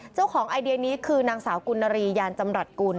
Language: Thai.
เจ้าของไอเดียนี้คือนางสาวกุณรียานจำรัฐกุล